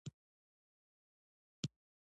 ایا زه باید قیماق وخورم؟